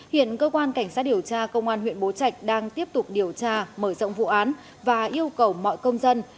hiện cơ quan cảnh sát điều tra công an huyện bố trạch đang tiếp tục điều tra mở rộng vụ án và yêu cầu mọi công dân